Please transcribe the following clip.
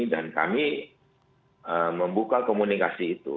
dan kami membuka komunikasi itu